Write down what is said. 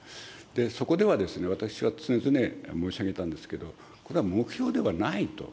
そこでは私は常々申し上げたんですけど、これは目標ではないと。